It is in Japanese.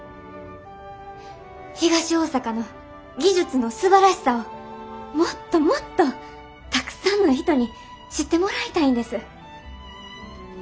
東大阪の技術のすばらしさをもっともっとたくさんの人に知ってもらいたいんです。